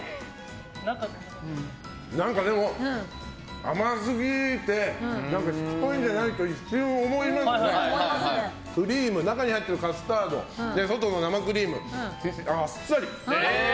何かでも、甘すぎてしつこいんじゃない？って一瞬思いますが中に入ってるカスタード外の生クリーム、あっさり。